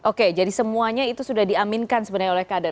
oke jadi semuanya itu sudah diaminkan sebenarnya oleh kader